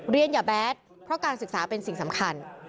อย่าแบดเพราะการศึกษาเป็นสิ่งสำคัญ